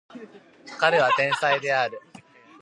彼は天才である